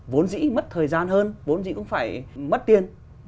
vốn dĩ mất thời gian hơn vốn dĩ cũng phải mất tiền